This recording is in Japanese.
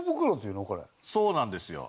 そうなんですよ。